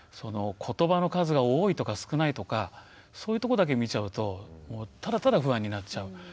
ことばの数が多いとか少ないとかそういうとこだけ見ちゃうとただただ不安になっちゃう。